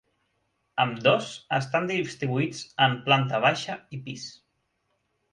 Ambdós estan distribuïts en planta baixa i pis.